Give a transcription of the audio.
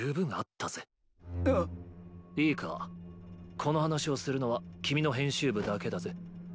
この話をするのは君の編集部だけだぜ。